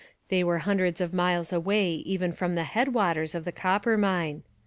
They were hundreds of miles away even from the head waters of the Coppermine.